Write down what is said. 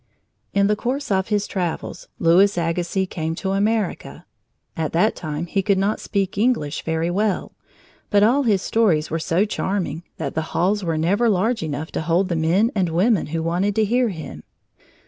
In the course of his travels, Louis Agassiz came to America. At that time he could not speak English very well, but all his stories were so charming that the halls were never large enough to hold the men and women who wanted to hear him.